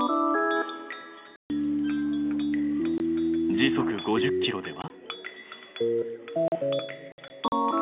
時速５０ｋｍでは？